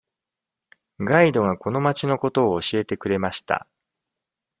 ガイドがこの町のことを教えてくれました。